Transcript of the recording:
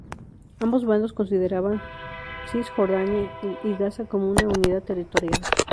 Ambos bandos consideraban Cisjordania y Gaza como una unidad territorial.